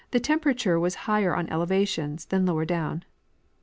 temperature was higher on elevations than lower down